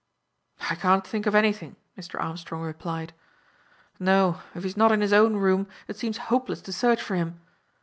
"I can't think of anything," Mr. Armstrong replied. "No, if he's not in his own room it seems hopeless to search for him.